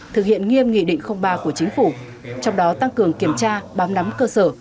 thực hiện nghiêm nghị định ba của chính phủ trong đó tăng cường kiểm tra bám nắm cơ sở